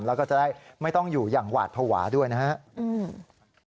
แล้วก็จะได้ไม่ต้องอยู่อย่างหวาดภาวะด้วยนะครับ